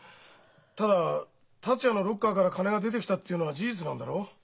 ただ達也のロッカーから金が出てきたっていうのは事実なんだろ？